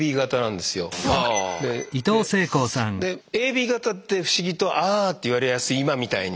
でＡＢ型って不思議と「ああ」って言われやすい今みたいに。少数派ですね。